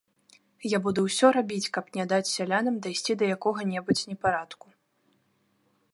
Я буду ўсё рабіць, каб не даць сялянам дайсці да якога-небудзь непарадку.